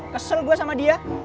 kesel gua sama dia